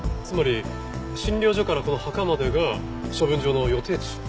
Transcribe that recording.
つまり診療所からこの墓までが処分場の予定地？